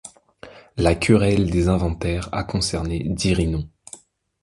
La querelle des inventaires a concerné Dirinon.